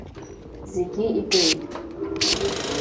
Зегьы ибеит.